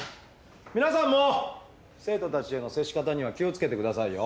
皆さんも生徒たちへの接し方には気を付けてくださいよ。